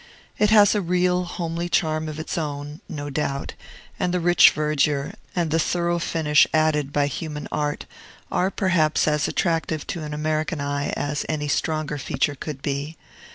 It has a real, homely charm of its own, no doubt; and the rich verdure, and the thorough finish added by human art, are perhaps as attractive to an American eye as any stronger feature could be.